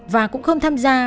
và cũng không tham gia